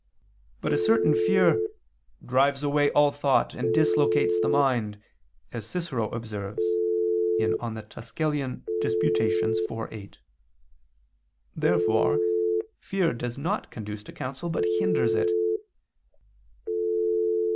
But a certain fear "drives away all thought, and dislocates the mind," as Cicero observes (De Quaest. Tusc. iv, 8). Therefore fear does not conduce to counsel, but hinders it.